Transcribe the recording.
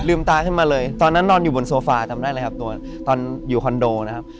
ตาขึ้นมาเลยตอนนั้นนอนอยู่บนโซฟาจำได้เลยครับตัวตอนอยู่คอนโดนะครับ